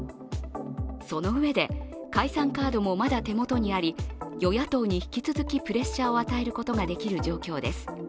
そのうえで解散カードもまだ手元にあり、与野党に引き続きプレッシャーを与えることができる状況です。